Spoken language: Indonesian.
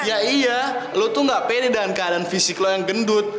ya iya lo tuh gak pede dengan keadaan fisik lo yang gendut